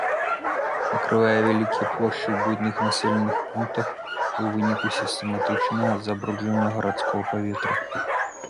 Накрывае вялікія плошчы ў буйных населеных пунктах ў выніку сістэматычнага забруджвання гарадскога паветра.